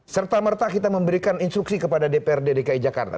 serta merta kita memberikan instruksi kepada dprd dki jakarta